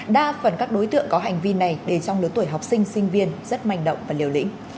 đa phần các đối tượng có hành vi này đều trong lứa tuổi học sinh sinh viên rất manh động và liều lĩnh